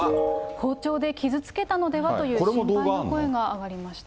包丁で傷つけたのではという心配の声が上がりました。